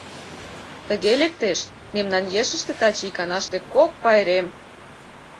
Тыге лектеш: мемнан ешыште таче иканаште кок пайрем!